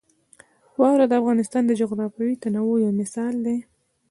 واوره د افغانستان د جغرافیوي تنوع یو مثال دی.